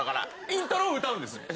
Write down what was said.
イントロを歌うんですね？